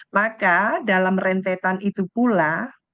maka dalam rentetan itu pula